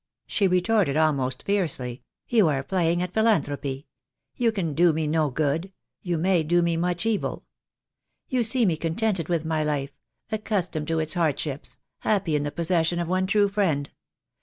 she retorted, almost fiercely. "You are playing at philanthropy. You can do me no good — you may do me much evil. You see me contented with my life — accustomed to its hardships — happy in the possession of one true friend.